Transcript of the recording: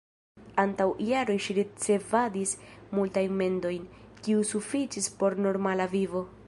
Antaŭ jaroj ŝi ricevadis multajn mendojn, kio sufiĉis por normala vivo.